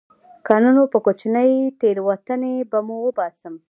که نه نو په کوچنۍ تېروتنې به مو وباسم